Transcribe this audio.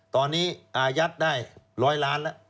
ตอนนี้อาญัตษย์ได้ร้อยล้านละ